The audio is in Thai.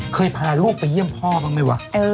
พาลูกไปเยี่ยมพ่อบ้างไหมวะ